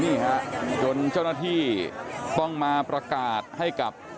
นี่ฮะจนเจ้าหน้าที่ต้องมาประกาศให้กับ